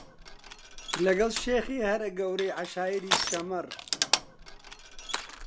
لەگەڵ شێخی هەرە گەورەی عەشایری شەممەڕ